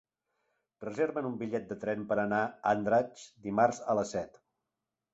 Reserva'm un bitllet de tren per anar a Andratx dimarts a les set.